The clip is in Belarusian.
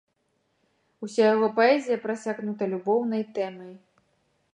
Уся яго паэзія прасякнута любоўнай тэмай.